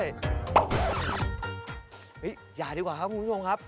อย่าดีกว่าครับคุณผู้ชมครับ